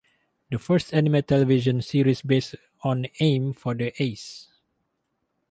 The first anime television series based on Aim for the Ace!